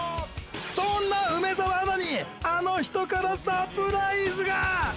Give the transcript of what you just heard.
そんな梅澤アナにあの人からサプライズが！